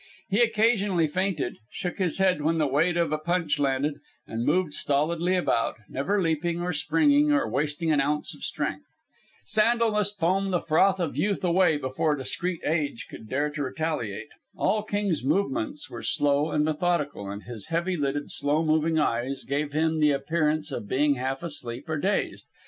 He occasionally feinted, shook his head when the weight of a punch landed, and moved stolidly about, never leaping or springing or wasting an ounce of strength. Sandel must foam the froth of Youth away before discreet Age could dare to retaliate. All King's movements were slow and methodical, and his heavy lidded, slow moving eyes gave him the appearance of being half asleep or dazed.